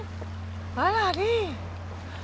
あらりん。